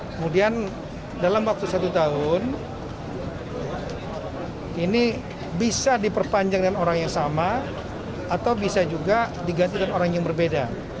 kemudian dalam waktu satu tahun ini bisa diperpanjang dengan orang yang sama atau bisa juga diganti dengan orang yang berbeda